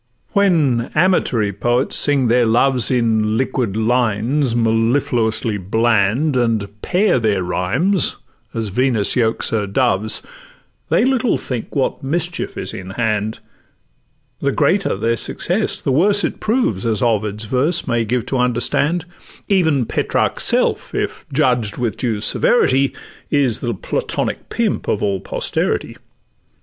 When amatory poets sing their loves In liquid lines mellifluously bland, And pair their rhymes as Venus yokes her doves, They little think what mischief is in hand; The greater their success the worse it proves, As Ovid's verse may give to understand; Even Petrarch's self, if judged with due severity, Is the Platonic pimp of all posterity.